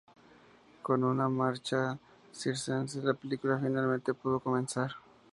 Con una marcha circense, la película finalmente puede comenzar.